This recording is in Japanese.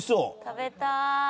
食べたい！